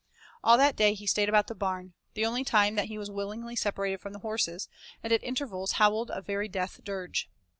All that day he stayed about the barn, the only time that he was willingly separated from the horses, and at intervals howled a very death dirge.